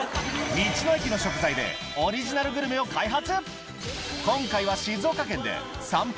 道の駅の食材でオリジナルグルメを開発